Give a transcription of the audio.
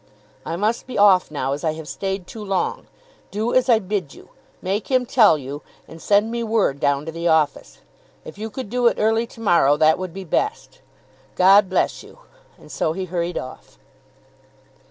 I must be off now, as I have stayed too long. Do as I bid you. Make him tell you, and send me word down to the office. If you could do it early to morrow, that would be best. God bless you." And so he hurried off.